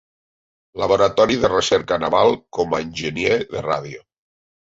Laboratori de Recerca Naval com a enginyer de ràdio.